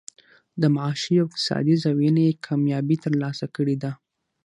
د معاشي او اقتصادي زاويې نه ئې کاميابي تر لاسه کړې ده